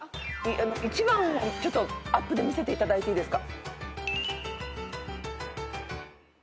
１番アップで見せていただいていいですか？